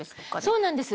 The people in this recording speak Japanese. そうなんです。